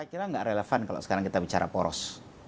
yang relevan kalau sekarang kita bicara poros